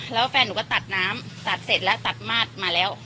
แล้วแฟนหนูก็ตัดน้ำตัดเสร็จแล้วตัดมาดมาแล้ว